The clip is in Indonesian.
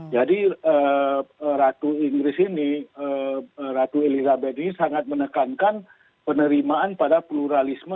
jadi ratu inggris ini ratu elizabeth ini sangat menekankan penerimaan pada pluralisme